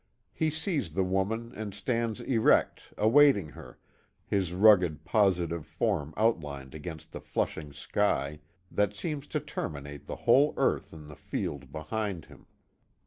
He sees the woman and stands erect, awaiting her, his rugged, positive form outlined against the flushing sky, that seems to terminate the whole earth in the field behind him.